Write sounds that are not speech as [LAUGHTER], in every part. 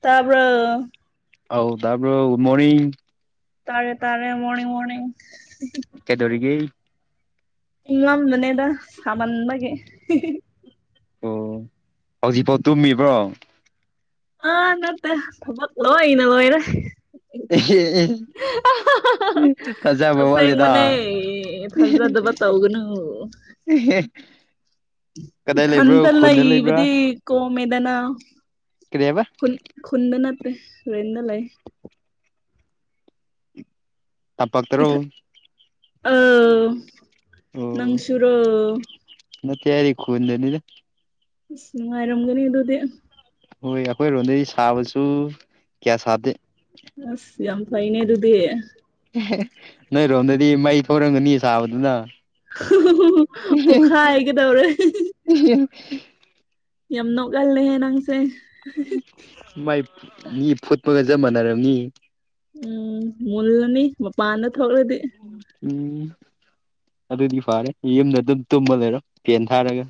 ꯇꯕꯔꯣ ꯑꯧ ꯇꯥꯕꯔꯣ ꯃꯣꯔꯅꯤꯡ ꯇꯥꯔꯦ ꯇꯥꯔꯦ ꯃꯣꯔꯅꯤꯡ ꯃꯣꯔꯅꯤꯡ ꯀꯩꯗꯧꯔꯤꯒꯦ ꯏꯪꯂꯝꯕꯅꯦꯗ ꯁꯥꯃꯟꯕꯒꯤ ꯑꯣ ꯍꯧꯖꯤꯛꯐꯥꯎ ꯇꯨꯝꯃꯤꯕ꯭ꯔꯣ ꯑꯥ ꯅꯠꯇꯦ ꯊꯕꯛ ꯂꯣꯏꯅ ꯂꯣꯏꯔꯦ [INAUDIBLE] ꯊꯥꯖꯕ ꯑꯁꯦꯡꯕꯅꯦ ꯋꯥꯠꯂꯤꯗ ꯊꯥꯖꯗꯕ ꯇꯧꯒꯅꯨ [INAUDIBLE] ꯀꯗꯥꯏ ꯏꯊꯟꯇꯥ ꯂꯩꯕ꯭ꯔꯣ ꯈꯨꯟꯗ ꯂꯩꯕꯗꯤ ꯂꯩꯕ꯭ꯔꯥ ꯀꯣꯝꯃꯦꯗꯥꯅ ꯀꯤꯔꯤ ꯍꯥꯏꯕꯥ ꯈꯨꯟ ꯈꯨꯨꯟꯗ ꯅꯠꯇꯦ ꯔꯦꯟꯗ ꯂꯩꯥ ꯇꯝꯄꯥꯥꯛꯇꯔꯣ ꯑꯧ ꯑꯣ ꯅꯪꯁꯨꯨꯔꯣ ꯅꯠꯇꯦ ꯑꯩ ꯈꯨꯟꯗꯅꯤꯗ ꯏꯁ ꯅꯨꯡꯉꯥꯏꯔꯝꯒꯅꯤ ꯑꯗꯨꯗꯤ ꯍꯣꯏ ꯑꯩꯈꯣꯏꯔꯣꯝꯗꯤ ꯁꯥꯕꯁꯨ ꯀꯤꯌꯥ ꯁꯥꯗꯦ ꯑꯁ ꯌꯥꯝ ꯐꯩꯅꯦ ꯑꯗꯨꯗꯤ ꯅꯣꯏꯔꯣꯝꯗꯗꯤ ꯃꯩ ꯊꯣꯔꯝꯒꯅꯤ ꯁꯥꯕꯗꯨꯅ ꯄꯣꯛꯈꯥꯏꯒꯗꯧꯔꯦ [UNINTELLIGIBLE] ꯌꯥꯝ ꯅꯣꯛꯒꯜꯂꯦꯍꯦ ꯅꯪꯁꯦ ꯃꯥꯏ ꯃꯤ ꯐꯨꯠꯄꯒ ꯆꯞ ꯃꯥꯟꯅꯔꯕꯅꯤ ꯎꯝ ꯃꯨꯜꯅꯤ ꯃꯄꯥꯟꯗ ꯊꯣꯛꯂꯗꯤ ꯎꯝ ꯑꯗꯨꯗꯤ ꯐꯔꯦ ꯌꯨꯝꯗ ꯑꯗꯨꯝ ꯇꯨꯝꯕ ꯂꯩꯔꯣ ꯄꯦꯟ ꯊꯥꯔꯒ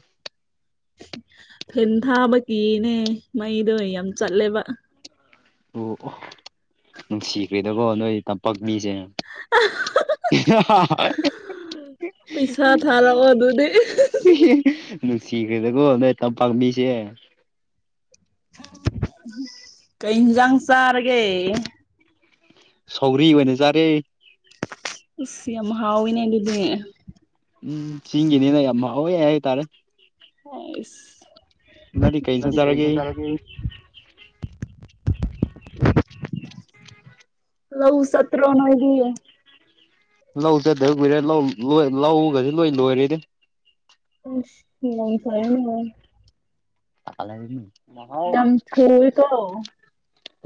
ꯐꯦꯟ ꯊꯥꯕ ꯀꯅꯦ ꯃꯩꯗꯣ ꯌꯥꯝ ꯆꯠꯂꯦꯕ ꯑꯣ ꯅꯨꯡꯁꯤꯈ꯭ꯔꯦꯗꯀꯣ ꯅꯣꯏ ꯇꯝꯄꯥꯛ ꯃꯤꯁꯦ ꯄꯩꯁꯥ ꯊꯥꯔꯛꯑꯣ ꯑꯗꯨꯗꯤ [UNINTELLIGIBLE] ꯅꯨꯡꯁꯤꯈ꯭ꯔꯦꯗꯀꯣ ꯅꯣꯏ ꯇꯝꯄꯥꯛ ꯃꯤꯁꯦ ꯀꯩ ꯏꯟꯖꯥꯡ ꯆꯔꯒꯦ ꯁꯧꯒꯔꯤ ꯑꯣꯏꯅ ꯆꯥꯔꯦ ꯑꯁ ꯌꯥꯝ ꯍꯥꯎꯋꯤꯅꯦ ꯑꯗꯨꯗꯤ ꯎꯝ ꯆꯤꯡꯒꯤꯅꯤꯅꯥ ꯌꯥꯝ ꯍꯥꯎꯏ ꯍꯥꯏꯇꯔꯦ ꯑꯁ ꯅꯡꯗꯤ ꯀꯩ ꯏꯟꯁꯥꯡ ꯆꯥꯔꯒꯤ [UNINTELLIGIBLE] ꯂꯧ ꯆꯠꯇ꯭ꯔꯣ ꯅꯣꯏꯗꯤ ꯂꯧ ꯆꯗ ꯀꯨꯏꯔꯦ ꯂꯧ ꯂ ꯂꯧꯒꯁꯤ ꯂꯣꯏ ꯂꯣꯏꯔꯦꯗꯤ [UNINTELLIGIBLE] ꯌꯥꯝ ꯊꯨꯏꯀꯣ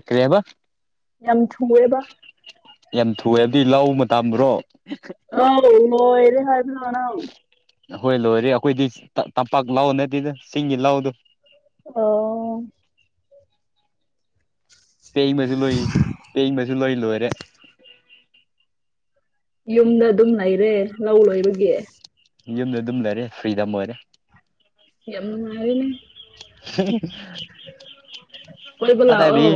ꯀꯔꯤꯕ [UNINTELLIGIBLE] ꯌꯥꯝ ꯊꯨꯑꯦ ꯑꯗꯨꯗꯤ ꯂꯧ ꯃꯥꯇꯝꯔꯣ [UNINTELLIGIBLE] ꯍꯣꯏ ꯂꯣꯏꯔꯦ ꯑꯩꯈꯣꯏꯗꯤ ꯇꯝꯄꯥꯛ ꯂꯥꯎ ꯅꯠꯇꯗ ꯆꯤꯡꯒꯤ ꯂꯍꯗꯣ ꯑꯣ ꯄꯦꯡꯕꯁꯨ ꯂꯣꯏ ꯄꯦꯡꯕꯁꯨ ꯂꯣꯏ ꯂꯣꯏꯔꯦ ꯌꯨꯝꯗ ꯑꯗꯨꯝ ꯂꯩꯔꯦ ꯂꯧ ꯂꯣꯏꯕꯒꯤ ꯌꯨꯝꯗ ꯑꯗꯨꯝ ꯂꯩꯔꯦ ꯐ꯭ꯔꯤꯗꯝ ꯑꯣꯏꯔꯦ ꯌꯥꯝ ꯅꯨꯡꯉꯥꯏꯒꯅꯤ ꯀꯣꯏꯕ ꯄꯇꯥꯥꯏꯕꯤ ꯂꯥꯛꯑꯣ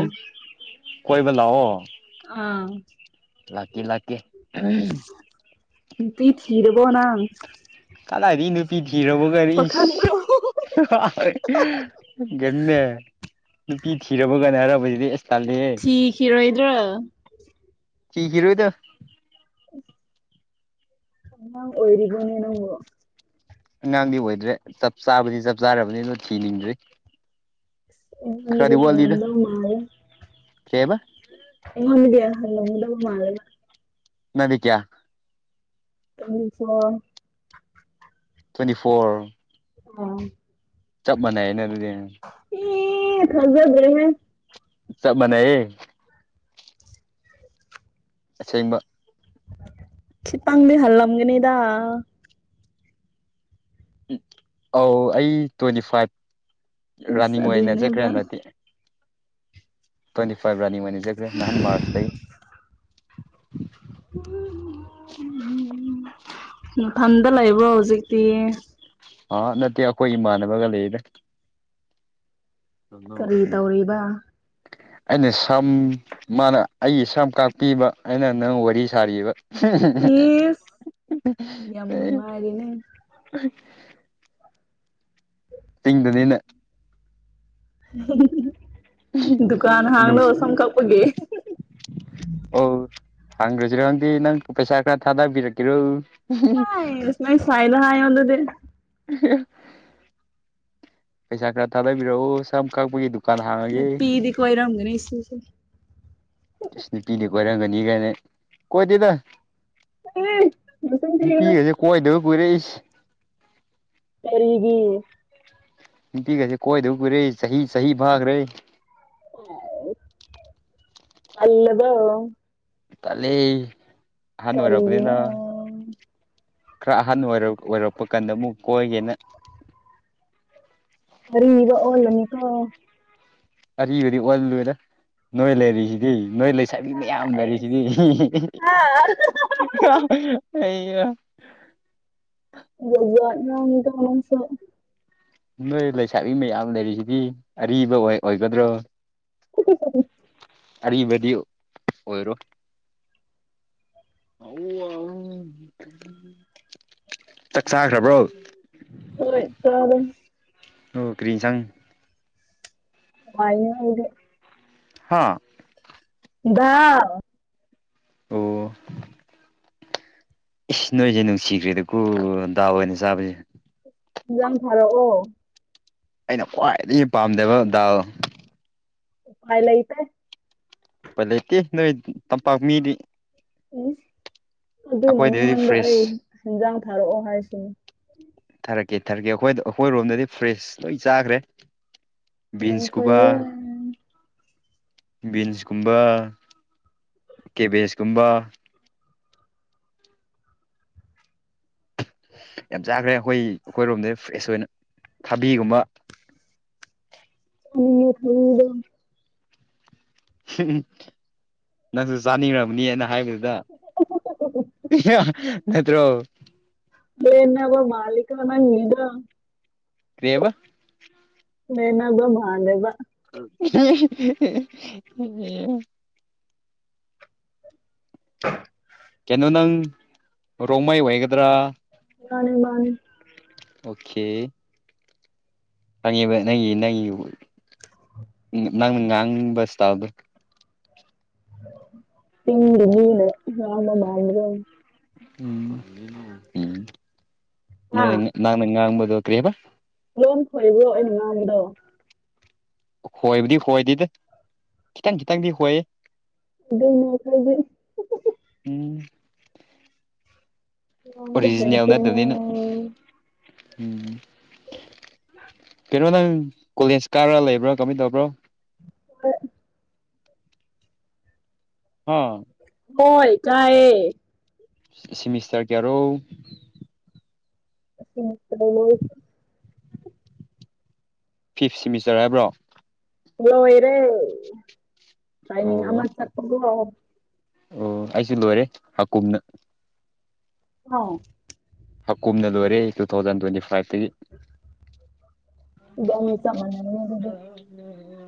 ꯀꯣꯏꯕ ꯂꯥꯛꯑꯣ ꯑꯥ ꯂꯥꯛꯀꯤ ꯂꯥꯛꯀꯦ ꯎꯝ ꯅꯨꯄꯤ ꯊꯤꯔꯕꯣ ꯅꯪ ꯀꯗꯥꯏꯗꯒꯤ ꯅꯨꯄꯤ ꯊꯤꯔꯕꯀꯔꯤ ꯏꯁ ꯄꯥꯈꯪꯔꯣ ꯅꯨꯄꯤ ꯊꯤꯔꯕꯒꯅ ꯍꯥꯏꯔꯕꯁꯤꯗꯤ ꯑꯁ ꯇꯥꯜꯂꯤꯍꯦ ꯊꯤꯈꯤꯔꯣꯏꯗ꯭ꯔꯣ ꯊꯤꯈꯤꯔꯣꯏꯗ [UNINTELLIGIBLE] ꯑꯉꯥꯡꯗꯤ ꯑꯣꯏꯗ꯭ꯔꯦ ꯆꯞ ꯆꯥꯕꯗꯤ ꯆꯞ ꯆꯥꯔꯕꯅꯤꯅ ꯊꯤꯅꯤꯡꯗ꯭ꯔꯤ ꯈꯔꯗꯤ [UNINTELLIGIBLE] ꯀꯩꯍꯥꯏꯕ ꯏꯉꯟꯗꯤ ꯍꯜꯂꯗꯕꯨ ꯃꯥꯜꯗꯅ ꯅꯥꯗꯤꯀꯌꯥ ꯑꯗꯨꯁꯨ ꯇ꯭ꯋꯦꯟꯇꯤ ꯐꯣꯔ ꯑ ꯆꯞ ꯃꯥꯟꯅ ꯌꯦꯅ ꯑꯗꯨꯗꯤ ꯑꯦ ꯐꯖꯗꯔ꯭ꯦꯍꯦ ꯆꯞꯃꯅꯥꯌꯦ ꯑꯁꯦꯡꯕ ꯈꯤꯇꯪꯗꯤ ꯍꯜꯂꯝꯒꯅꯤꯗꯥ ꯑꯧ ꯑꯩ ꯇ꯭ꯋꯦꯟꯇꯤ ꯐꯥꯏꯚ ꯏꯁ ꯔꯟꯅꯤꯡ ꯑꯣꯏꯅ ꯆꯠꯈ꯭ꯔꯦ ꯑꯗꯨꯏꯅꯦꯕ ꯍꯟꯗꯛꯇꯤ ꯇ꯭ꯋꯦꯟꯇꯤ ꯐꯥꯏꯚ ꯔꯟꯅꯤꯡ ꯑꯣꯏꯖꯈ꯭ꯔꯦ ꯅꯍꯥꯟ ꯃꯥꯔꯁꯇꯒꯤ [UNINTELLIGIBLE] ꯅꯊꯟꯗ ꯂꯩꯕ꯭ꯔꯣ ꯍꯧꯖꯤꯛꯇꯤ ꯑꯥ ꯅꯠꯇꯦ ꯑꯩꯈꯣꯏ ꯏꯃꯥꯟꯅꯕꯒ ꯂꯩꯗ ꯀꯔꯤ ꯇꯧꯔꯤꯕ [UNINTELLIGIBLE] ꯑꯩꯅꯥ ꯁꯝ ꯃꯥꯅ ꯑꯩꯒꯤ ꯁꯝ ꯀꯥꯛꯄꯤꯕ ꯑꯩꯅ ꯅꯪ ꯋꯥꯔꯤ ꯁꯥꯔꯤꯕ ꯏꯁ ꯌꯥꯝ ꯅꯨꯡꯉꯥꯏꯔꯤꯅꯦ [UNINTELLIGIBLE] [UNINTELLIGIBLE] [UNINTELLIGIBLE] ꯗꯨꯀꯥꯟ ꯍꯥꯡꯂꯣ ꯅꯨꯡꯁꯤ ꯁꯝ ꯀꯛꯄꯒꯤ ꯑꯣ ꯍꯪꯒ꯭ꯔꯁꯤꯔꯣ ꯈꯪꯗꯦ ꯅꯪ ꯄꯩꯁꯥ ꯈꯔ ꯊꯥꯗꯕꯤꯔꯛꯀꯦꯔꯣ ꯍꯥꯏ ꯏꯁ ꯅꯣꯏꯁꯥꯏꯗ ꯍꯥꯏꯌꯣꯗꯨꯗꯤ [UNINTELLIGIBLE] ꯄꯩꯁꯥ ꯈꯔ ꯊꯥꯗꯕꯤꯔꯛꯑꯣ ꯁꯝ ꯀꯛꯄꯒꯤꯗꯨ ꯅꯨꯄꯤꯗꯤ ꯀꯣꯏꯔꯝꯒꯅꯤ [UNINTELLIGIBLE] ꯏꯁ ꯅꯨꯄꯤꯗꯤ ꯀꯣꯏꯔꯝꯒꯅꯤ ꯀꯥꯏꯅꯦ ꯀꯣꯏꯗꯦꯗ ꯃꯆꯤꯟ ꯊꯤꯒꯅꯨ ꯅꯨꯄꯤꯒꯁꯦ ꯀꯣꯏꯗꯕ ꯀꯨꯏꯔꯦ ꯏꯁ ꯀꯔꯤꯒꯤ ꯅꯨꯄꯤꯒꯁꯦ ꯀꯣꯏꯗꯕ ꯀꯨꯏꯔꯦ ꯆꯍꯤ ꯆꯍꯤ ꯐꯥꯈ꯭ꯔꯦ [UNINTELLIGIBLE] ꯇꯜꯂꯥꯕꯣ ꯇꯜꯂꯦ ꯑꯍꯜ ꯑꯣꯏꯔꯕꯅꯤꯅ ꯀꯔꯤꯒꯤꯅꯣ ꯈꯔ ꯑꯍꯟ ꯑꯣꯏ ꯑꯣꯏꯔꯛꯄ ꯀꯥꯟꯗ ꯑꯃꯨꯛ ꯀꯣꯏꯒꯦꯅ ꯑꯔꯤꯕ ꯑꯣꯜꯂꯅꯤ ꯀꯣ ꯑꯔꯤꯕꯗꯤ ꯑꯣꯜꯂꯣꯏꯗ ꯅꯣꯏ ꯂꯩꯔꯤꯁꯤꯗꯤ ꯅꯣꯏ ꯂꯩꯁꯥꯕꯤ ꯃꯌꯥꯝ ꯂꯩꯔꯤꯁꯤꯗꯤ [UNINTELLIGIBLE] ꯖꯥꯠ ꯖꯥꯠ ꯉꯥꯡꯏꯗ ꯅꯪꯁꯨ ꯅꯣꯏ ꯂꯩꯁꯥꯕꯤ ꯃꯌꯥꯝ ꯂꯩꯔꯤꯁꯤꯗꯤ ꯑꯔꯤꯕ ꯑꯣꯏꯒꯗ꯭ꯔꯣ [UNINTELLIGIBLE] [INAUDIBLE] ꯑꯔꯤꯕꯗꯤ ꯑꯣꯏꯔꯣꯏ [UNINTELLIGIBLE] [INAUDIBLE] ꯆꯥꯛ ꯆꯥꯈ꯭ꯔꯕ꯭ꯔꯣ ꯍꯣꯏ ꯆꯥꯔꯦ ꯑꯣ ꯀ꯭ꯔꯤ ꯑꯦꯟꯁꯥ [INAUDIBLE] ꯍꯥꯥ ꯗꯥꯜ ꯑꯣ ꯏꯁ ꯅꯣꯏꯁꯦ ꯅꯨꯡꯁꯤꯈ꯭ꯔꯦꯗ ꯀꯣ ꯗꯥꯜ ꯑꯣꯏꯅ ꯆꯥꯕꯁꯦ ꯍꯦꯟꯖꯥꯡ ꯊꯥꯔꯛꯑꯣ ꯑꯩꯅ ꯈ꯭ꯋꯥꯏꯗꯒꯤ ꯄꯥꯝꯗꯕ ꯗꯥꯜ ꯎꯄꯥꯏ ꯂꯩꯇꯦ ꯎꯄꯥꯏ ꯂꯩꯇꯦ ꯅꯣꯏꯇꯝꯄꯥꯛ ꯃꯤꯗꯤ ꯎꯝ ꯑꯗꯨꯅ ꯑꯩꯈꯣꯏꯗꯗꯤ ꯅꯉꯣꯟꯗ ꯑꯩ ꯐ꯭ꯔꯦꯁ ꯍꯦꯟꯖꯥꯡ ꯊꯥꯔꯛꯑꯣ ꯍꯥꯏꯁꯤꯅꯦ ꯊꯥꯔꯛꯀꯦ ꯊꯥꯔꯛꯀꯦ ꯑꯩꯈꯣꯏꯗ ꯑꯩꯈꯣꯏꯔꯣꯝꯗꯗꯤ ꯐ꯭ꯔꯦꯁ ꯂꯣꯏ ꯆꯥꯈ꯭ꯔꯦ ꯌꯥꯝ ꯕꯤꯟꯁꯀꯨꯝꯕ ꯐꯩꯌꯦ ꯕꯤꯟꯁꯀꯨꯝꯕ ꯀꯦꯕꯦꯁꯀꯨꯝꯕ ꯌꯥꯝ ꯆꯥꯈ꯭ꯔꯦ ꯑꯩꯈꯣꯏ ꯑꯩꯈꯣꯏꯔꯣꯝꯗ ꯐ꯭ꯔꯦꯁ ꯑꯣꯏꯅ ꯊꯥꯕꯤꯒꯨꯝꯕ [UNINTELLIGIBLE] ꯅꯪꯁꯨ ꯆꯥꯅꯤꯡꯔꯝꯅꯤꯅ ꯍꯥꯏꯕ [UNINTELLIGIBLE] ꯅꯠꯇ꯭ꯔꯣ ꯂꯦꯟꯅꯕ ꯃꯥꯜꯂꯤꯀꯣ ꯅꯪꯒꯤꯗꯣ ꯀꯔꯤꯕ ꯂꯦꯟꯅꯥꯕ ꯃꯥꯥꯜꯂꯦꯕ [UNINTELLIGIBLE] [UNINTELLIGIBLE] ꯀꯩꯅꯣ ꯅꯪ ꯔꯣꯡꯃꯩ ꯑꯣꯏꯒꯗ꯭ꯔꯥ ꯃꯥꯅꯦ ꯃꯥꯅꯦ ꯑꯣꯀꯦ ꯈꯪꯉꯤꯕ ꯅꯪꯒꯤ ꯅꯪꯒꯤ ꯅꯪꯅ ꯉꯥꯡꯕ ꯏꯁꯇꯥꯏꯜꯗꯣ ꯆꯤꯡꯃꯤꯒꯤ ꯃꯤꯅꯥ ꯉꯥꯡꯕ ꯃꯥꯟꯕꯔꯣ꯫ ꯑꯥ ꯅꯪꯅ ꯉꯡꯕꯗꯣ ꯀ꯭ꯔꯤꯕ ꯂꯣꯟ ꯈꯣꯏꯕ꯭ꯔꯣ ꯑꯩꯩꯅ ꯉꯥꯡꯕꯗꯣ ꯈꯣꯏꯕꯨꯗꯤ ꯈꯣꯏꯗꯤꯗ ꯈꯤꯇꯪ ꯈꯤꯇꯪꯗꯤ ꯍꯣꯏ [UNINTELLIGIBLE] ꯎꯝ ꯉꯥꯡꯕ ꯑꯣꯔꯤꯖꯤꯅꯦꯜ ꯍꯩꯇꯦꯅꯦ ꯅꯥꯠꯇꯕꯅꯤꯅ ꯎꯝ ꯀꯩꯅꯣ ꯅꯪ ꯀꯣꯂꯦꯖ ꯀꯥꯔꯥ ꯂꯩꯕ꯭ꯔꯣ ꯀꯃꯥꯏ ꯇꯧꯕ꯭ꯔꯣ ꯍꯣꯏ꯫ ꯍꯥ ꯍꯣꯏ ꯀꯥꯏꯌꯦ ꯁꯤꯃꯤꯁꯇꯔ ꯀꯌꯥꯔꯣ [UNINTELLIGIBLE] ꯐꯤꯞ ꯁꯤꯃꯤꯁꯇꯔ ꯍꯥꯏꯕ꯭ꯔꯣ ꯍꯂꯣꯔꯦ ꯇ꯭ꯔꯥꯏꯅꯤꯡ ꯑꯣ ꯑꯃ ꯆꯠꯄꯀꯣ ꯑꯣ ꯑꯩꯁꯨ ꯂꯣꯏꯔꯦ ꯍꯥꯀꯨꯝꯅ [UNINTELLIGIBLE] ꯍ ꯀꯨꯝꯅ ꯂꯣꯏꯔꯦ ꯇꯨ ꯊꯥꯎꯖꯟ ꯇ꯭ꯋꯦꯟꯇꯤ ꯐꯥꯏꯚꯇꯒꯤ ꯏꯕꯅꯤ ꯆꯞ ꯃꯅꯥꯔꯦ ꯑꯗꯨꯗꯤ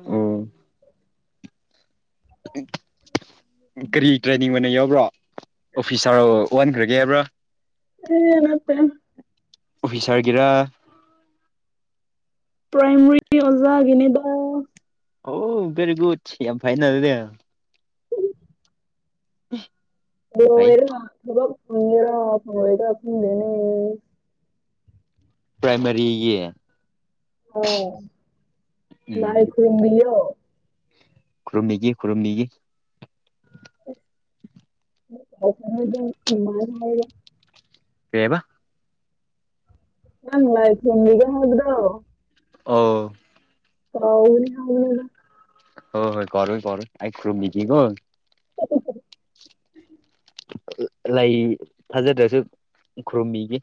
ꯎꯝ ꯀꯔꯤ ꯇ꯭ꯔꯦꯅꯤꯡ ꯑꯣꯏꯅ ꯌꯥꯎꯕ꯭ꯔꯣ ꯑꯣꯐꯤꯁ ꯁꯥꯔ ꯑꯣꯟꯈ꯭ꯔꯒꯦ ꯍꯥꯏꯕ꯭ꯔꯥ ꯅꯥꯠꯇꯦ ꯑꯣꯐꯤꯁꯔꯒꯤꯔ ꯄꯥꯏꯃꯔꯤ ꯑꯣꯖꯥꯒꯤꯅꯤꯗ ꯑꯣ ꯕꯦꯔꯤꯒꯨꯗ ꯌꯥꯝ ꯐꯥꯏꯅ ꯗꯨꯗꯤ [UNINTELLIGIBLE] [UNINTELLIGIBLE] ꯄ꯭ꯔꯥꯏꯃꯥꯔꯤꯒꯤ ꯑꯣ ꯂꯥꯏ ꯎꯝ ꯈꯨꯔꯨꯝꯕꯤꯑꯣ ꯈꯨꯔꯨꯝꯕꯤꯒꯦ ꯈꯨꯔꯨꯝꯕꯤꯒꯦ [UNINTELLIGIBLE] ꯀꯩ ꯍꯥꯏꯕ ꯅꯪ ꯂꯥꯏ ꯈꯨꯔꯨꯝꯕꯤꯒꯦ ꯍꯥꯏꯕꯗꯣ ꯑꯣ ꯀꯧꯅꯤ ꯍꯥꯏꯕꯅꯤꯗ ꯍꯣ ꯍꯣꯏ ꯀꯎꯔꯣꯏ ꯀꯎꯔꯣꯏ ꯑꯩ ꯈꯨꯔꯨꯝꯕꯤꯒꯦ ꯀꯣ [UNINTELLIGIBLE] ꯂꯩ ꯐꯖꯗ꯭ꯔꯁꯨ ꯈꯨꯔꯨꯝꯃꯤꯒꯤ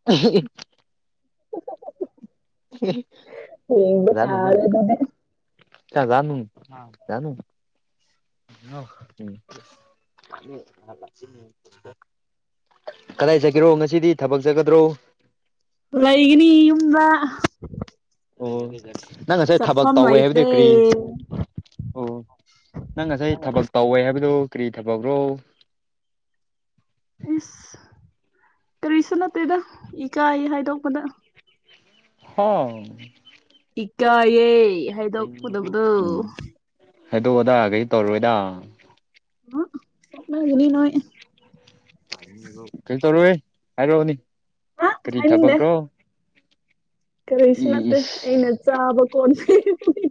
[UNINTELLIGIBLE] [UNINTELLIGIBLE] ꯌꯦꯡꯕ ꯇꯥꯔꯦ ꯑꯗꯨꯗꯤ [INAUDIBLE] [UNINTELLIGIBLE] [UNINTELLIGIBLE] ꯀꯗꯥꯏ ꯆꯇꯀꯤꯔꯣ ꯉꯁꯤꯗꯤ ꯊꯕꯛ ꯆꯠꯀꯗ꯭ꯔꯣ ꯂꯩꯒꯅꯤ ꯌꯨꯝꯗ ꯑꯣ ꯅꯪ ꯉꯁꯥꯏ ꯊꯕꯛ ꯆꯠꯐꯝ ꯇꯧꯋꯦ ꯍꯥꯏꯕꯗꯤ ꯂꯩꯇꯦ ꯀ꯭ꯔꯤ ꯑꯣ ꯅꯪ ꯉꯁꯥꯏ ꯊꯕꯛ ꯇꯧꯋꯦ ꯍꯥꯏꯕꯗꯨ ꯀ꯭ꯔꯤ ꯊꯕꯛꯔꯣ ꯏꯁ ꯀꯔꯤꯁꯨ ꯅꯠꯇꯦꯗ ꯏꯀꯥꯏꯌꯦ ꯍꯥꯏꯗꯣꯛꯄꯗ ꯍꯥ ꯏꯀꯥꯏꯌꯦ ꯍꯥꯏꯗꯣꯛꯀꯗꯕꯗꯣ ꯍꯥꯏꯗꯣꯛ ꯑꯣꯗꯥ ꯀꯩꯁꯨ ꯇꯧꯔꯣꯏꯗ ꯎꯝ ꯅꯣꯛꯅꯒꯅꯤ ꯅꯣꯏ ꯀꯩꯁꯨ ꯇꯧꯔꯣꯏ ꯍꯦ ꯍꯥꯏꯔꯛ ꯑꯣꯅꯤ ꯑ ꯀꯔꯤ ꯍꯥꯏꯅꯤꯡꯗꯦ ꯊꯕꯛꯔꯣ ꯀꯔꯤꯁꯨ ꯅꯠꯇꯦ ꯏꯁ ꯑꯩꯅ ꯆꯥꯕ ꯀꯣꯟ ꯐꯦꯡꯕꯅꯤ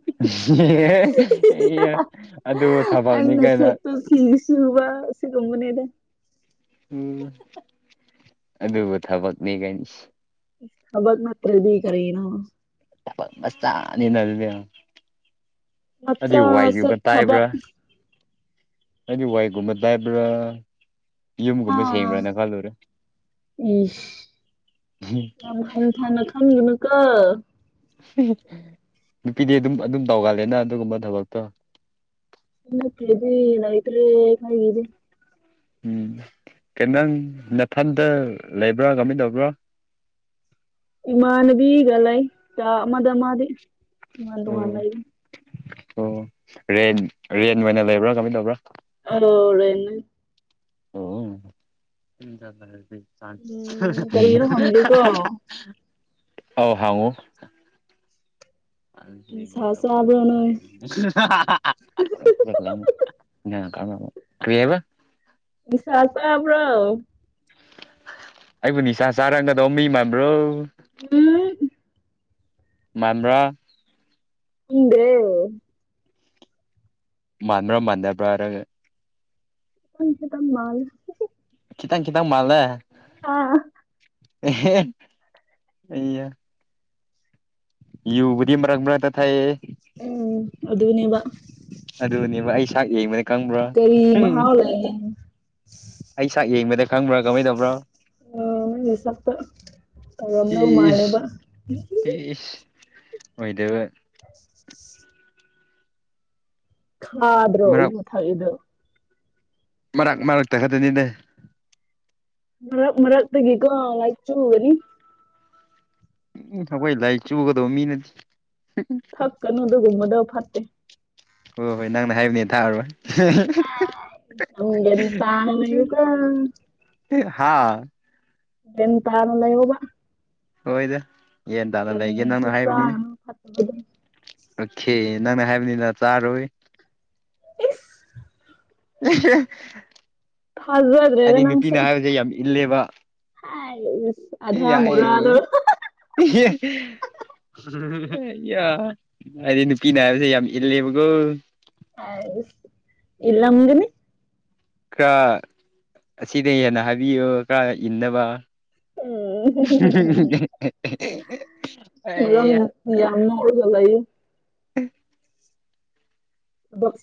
ꯑꯗꯨꯕꯨ ꯊꯕꯛꯅꯤ ꯀꯥꯏꯅ ꯁꯨꯝ ꯐꯤ ꯁꯨꯕ ꯑꯁꯤꯒꯨꯝꯕꯅꯤꯗ ꯎꯝ ꯑꯗꯨꯕꯨ ꯊꯕꯛꯅꯤ ꯀꯥꯏꯅ ꯍꯕꯛ ꯅꯠꯇ꯭ꯔꯗꯤ ꯀꯔꯤꯅꯣ ꯊꯕꯛ ꯃꯆꯥꯅꯤꯅ ꯑꯗꯨꯗꯤ ꯑꯗꯨꯗꯤ ꯋꯥꯏꯖꯨ ꯃꯆꯥꯁꯨ ꯈꯔꯥ ꯇꯥꯏꯕ꯭ꯔꯥ ꯊꯕꯛ ꯅꯣꯏꯗꯤ ꯋꯥꯏꯒꯨꯝꯕ ꯇꯥꯏꯕ꯭ꯔꯥ ꯌꯨꯝ ꯒꯨꯝꯕ ꯑꯥ ꯁꯦꯡꯕ꯭ꯔꯅ ꯈꯜꯂꯨꯔꯦ ꯏꯁ ꯌꯥꯝ ꯍꯟꯊꯥꯅ ꯈꯟꯒꯅꯨꯀꯣ ꯅꯨꯄꯤꯗꯤ ꯑꯗꯨꯝ ꯑꯗꯨꯝ ꯇꯧꯒꯜꯂꯦꯅ ꯑꯗꯨꯒꯨꯝꯕ ꯊꯕꯛꯇꯣ ꯁꯤ ꯅꯠꯇ꯭ꯔꯗꯤ ꯂꯩꯇ꯭ꯔꯦ ꯈꯣꯏꯒꯤꯗꯤ ꯎꯝ ꯀꯩ ꯅꯪ ꯅꯊꯟꯗ ꯂꯩꯕ꯭ꯔꯥ ꯀꯃꯤꯟ ꯇꯧꯕ꯭ꯔꯥ ꯏꯃꯥꯟꯅꯕꯤꯒ ꯂꯩ ꯀꯥ ꯑꯃꯗ ꯃꯥꯗꯤ ꯇꯣꯉꯥꯟ ꯑꯣ ꯇꯣꯉꯥꯟꯅ ꯂꯩ ꯑꯣ ꯔꯦꯟ ꯔꯦꯟ ꯑꯣꯏꯅ ꯂꯩꯕ꯭ꯔꯥ ꯀꯃꯥꯏ ꯇꯧꯕ꯭ꯔꯥ ꯑꯧ ꯔꯦꯟꯅꯦ ꯑꯣ ꯎꯝ ꯀꯔꯤꯔꯣ ꯍꯪꯒꯦꯀꯣ [UNINTELLIGIBLE] ꯑꯣ ꯍꯥꯎꯑꯣ ꯅꯤꯁꯥ ꯑꯗꯨꯒꯤ ꯆꯥꯕ꯭ꯔꯣ ꯇꯧꯕꯅꯤꯗ ꯅꯣꯏ [UNINTELLIGIBLE] [UNINTELLIGIBLE] ꯀꯔꯤ ꯍꯥꯏꯕ ꯅꯤꯁꯥ ꯆꯥꯕ꯭ꯔꯣ ꯑꯩꯕꯨ ꯅꯤꯁꯥ ꯆꯥꯔꯝꯒꯗꯧ ꯃꯤ ꯃꯥꯟꯕ꯭ꯔꯣ ꯎꯝ ꯃꯥꯟꯕ꯭ꯔꯥ ꯈꯪꯗꯦ ꯃꯥꯟꯕ꯭ꯔꯥ ꯃꯥꯟꯗꯕ꯭ꯔꯥ ꯅꯪ ꯎꯝ ꯈꯤꯠꯇꯪ ꯃꯥꯟꯂꯦ ꯈꯤꯠꯇꯪ ꯈꯤꯇꯪ ꯃꯥꯜꯂꯦ ꯑꯥ ꯏꯌꯥ [UNINTELLIGIBLE] ꯕꯨꯗꯤ ꯃꯔꯛ ꯃꯔꯛꯇ ꯊꯛꯑꯦ ꯎꯝ ꯑꯗꯨꯅꯦꯕ ꯑꯗꯨꯅꯦꯕ ꯑꯩ ꯁꯥꯛ ꯌꯦꯡꯕꯗ ꯀꯪꯕ꯭ꯔꯥ ꯀꯔꯤ [UNINTELLIGIBLE] ꯑꯩ ꯁꯥꯛ ꯌꯦꯡꯕꯗ ꯈꯪꯕ꯭ꯔꯥ ꯀꯃꯥꯏ ꯇꯧꯕ꯭ꯔꯥ ꯑ ꯅꯪꯒꯤ ꯁꯛꯇ ꯇꯧꯔꯝꯗꯧ ꯏꯁ ꯃꯥꯜꯂꯦꯕ ꯏꯁ ꯑꯣꯏꯗꯕ [INAUDIBLE] ꯈꯥꯗ꯭ꯔꯣ ꯃꯔꯛ [UNINTELLIGIBLE] ꯊꯛ ꯏꯗꯣ ꯃꯔꯛ ꯃꯔꯛꯇ ꯈꯛꯇꯅꯤꯗ ꯃꯔꯛ ꯃꯔꯛꯇꯒꯤ ꯀꯣ ꯂꯥꯏꯆꯨꯡꯒꯅꯤ ꯎꯝ ꯑꯩꯈꯣꯏ ꯂꯥꯏꯆꯨꯒꯗꯧꯕ ꯃꯤ ꯅꯠꯇꯦ ꯊꯛꯀꯅꯨ ꯑꯗꯨꯒꯨꯝꯕꯗꯣ ꯐꯠꯇꯦ ꯍꯣꯏ ꯍꯣꯏ ꯅꯪꯅ ꯍꯥꯏꯕꯅꯦ ꯊꯥꯛꯑꯔꯣꯏ ꯒ꯭ꯌꯥꯟ ꯇꯅ ꯂꯩꯌꯨꯀꯣ ꯍꯥ ꯒ꯭ꯌꯥꯟ ꯇꯅ ꯂꯩꯌꯨꯕ ꯍꯣꯏꯗ ꯌꯦꯟ ꯇꯥꯅ ꯂꯩꯒꯦ ꯀꯔꯤꯁꯨ ꯅꯪꯅ ꯍꯥꯏꯕꯅꯤꯅꯦ ꯆꯥꯒꯅꯨ ꯐꯠꯇꯕꯗꯣ ꯑꯣꯀꯦ ꯅꯪꯅ ꯍꯥꯏꯕꯅꯤꯅ ꯆꯥꯔꯣꯏ ꯏꯁ [UNINTELLIGIBLE] ꯊꯥꯖꯗ꯭ꯔꯦꯗ ꯑꯩꯗꯤ ꯅꯨꯄꯤꯅ ꯍꯥꯏꯕꯁꯦ ꯌꯥꯝ ꯏꯜꯂꯦꯕ ꯑꯗꯍꯥ ꯃꯣꯔꯥ ꯑꯗꯨ ꯌꯥꯏ [UNINTELLIGIBLE] ꯌꯥ ꯑꯩꯗꯤꯗꯤ ꯅꯨꯄꯤꯅ ꯍꯥꯏꯕꯁꯦ ꯌꯥꯝ ꯏꯜꯂꯦꯕꯀꯣ ꯑꯁ ꯏꯂꯥꯝꯒꯅꯤ ꯈꯔ ꯑꯁꯤꯗꯩ ꯍꯦꯟꯅ ꯍꯥꯏꯕꯤꯌꯨ ꯈꯔ ꯏꯟꯅꯕ ꯎꯝ [UNINTELLIGIBLE] ꯑꯩꯌꯥ ꯌꯥꯝꯅ ꯅꯣꯛꯔꯒ ꯂꯩꯌꯦ ꯊꯕꯛ